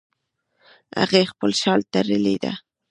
هغې خپل شال تړلی ده